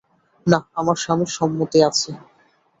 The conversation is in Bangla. না, আমার স্বামীর সম্মতি আছে।